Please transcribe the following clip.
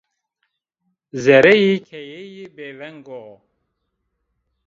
Zereyê keyeyî bêveng o